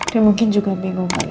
dia mungkin juga bingung pak